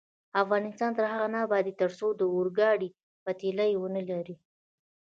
افغانستان تر هغو نه ابادیږي، ترڅو د اورګاډي پټلۍ ونلرو.